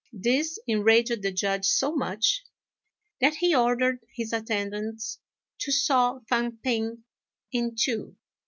This enraged the Judge so much that he ordered his attendants to saw Fang p'ing in two.